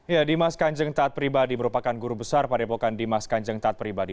ya dimas kanjeng taat pribadi merupakan guru besar padepokan dimas kanjeng taat pribadi